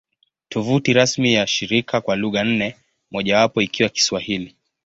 Tovuti rasmi ya shirika kwa lugha nne, mojawapo ikiwa Kiswahili